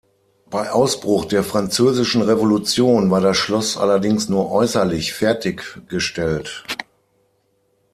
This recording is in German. Bei Ausbruch der Französischen Revolution war das Schloss allerdings nur äußerlich fertiggestellt.